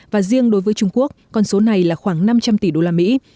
và riêng đối với trung quốc con số này là khoảng năm trăm linh tỷ đô la mỹ